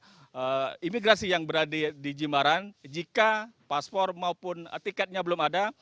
dari imigrasi yang berada di jimbaran jika paspor maupun tiketnya belum ada